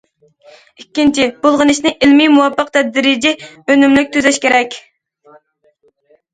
ئىككىنچى، بۇلغىنىشنى ئىلمىي، مۇۋاپىق، تەدرىجىي، ئۈنۈملۈك تۈزەش كېرەك.